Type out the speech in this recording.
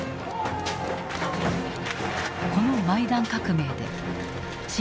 このマイダン革命で親